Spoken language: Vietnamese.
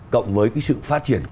cộng với cái sự phát triển